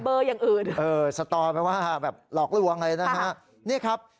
อย่างอื่นเออสตอแปลว่าแบบหลอกลวงอะไรนะฮะนี่ครับ